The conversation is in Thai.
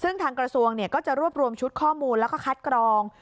ซึ่งทางกระทรวงก็จะรวบรวมชุดข้อมูลแล้วก็คัดกรอง